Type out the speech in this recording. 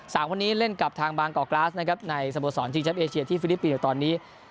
สามวันนี้เล่นกับทางบางกอกลาสในสโบสถ์ชิงเชียบเอเชียที่ฟิลิปปีน์ตอนนี้